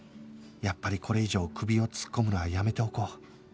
やっぱりこれ以上首を突っ込むのはやめておこう